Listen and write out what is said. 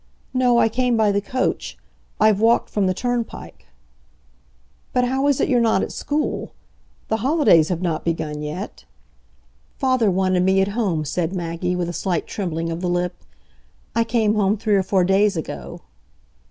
"No, I came by the coach. I've walked from the turnpike." "But how is it you're not at school? The holidays have not begun yet?" "Father wanted me at home," said Maggie, with a slight trembling of the lip. "I came home three or four days ago."